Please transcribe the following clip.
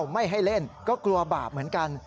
ไม่ให้เล่นก็กลัวบาปเหมือนกัน